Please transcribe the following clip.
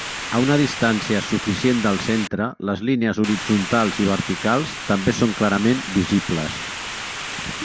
A una distància suficient del centre, les línies horitzontals i verticals també són clarament visibles.